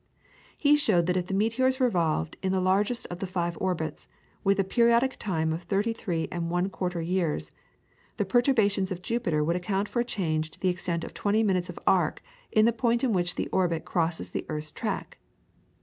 He showed that if the meteors revolved in the largest of the five orbits, with the periodic time of thirty three and one quarter years, the perturbations of Jupiter would account for a change to the extent of twenty minutes of arc in the point in which the orbit crosses the earth's track.